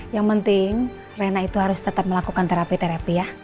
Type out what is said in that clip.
yang penting rena itu harus tetap melakukan terapi terapi ya